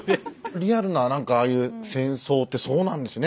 リアルななんかああいう戦争ってそうなんですね。